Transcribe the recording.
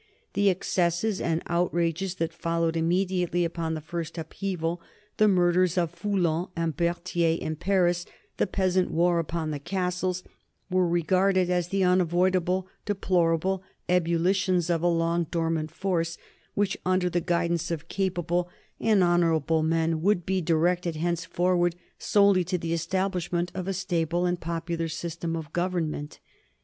The excesses and outrages that followed immediately upon the first upheaval, the murders of Foulon and Berthier in Paris, the peasant war upon the castles, were regarded as the unavoidable, deplorable ebullitions of a long dormant force which, under the guidance of capable and honorable men, would be directed henceforward solely to the establishment of a stable and popular system of government.